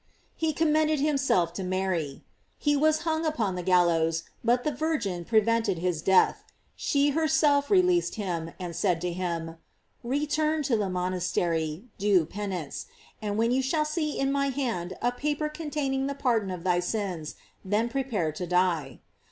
He commended himself to Mary. He was hung upon the gallows, but the Virgin pre vented his death. She herself released him, and said to him: "Return to the monastery; do pen ance; and when you shall see in my hand a pa per containing the pardon of thy sins, then pre pare to die.